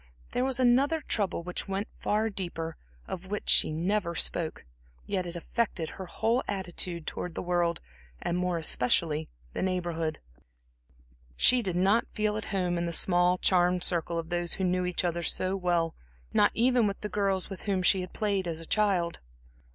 There was another trouble which went far deeper of which she never spoke; yet it affected her whole attitude towards the world, and more especially the Neighborhood. She did not feel at home in the small, charmed circle of those who knew each other so well, not even with the girls with whom she had played as a child.